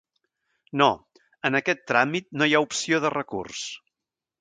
No, en aquest tràmit no hi ha opció de recurs.